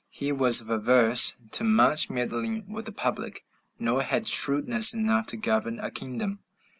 He was averse to much meddling with the public, nor had shrewdness enough to govern a kingdom.